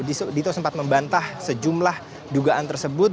dito sempat membantah sejumlah dugaan tersebut